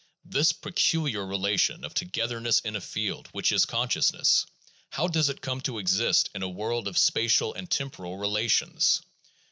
This peculiar relation of together ness in a fleld, which is consciousness — how does it come to exist in a world of spatial and temporal relations?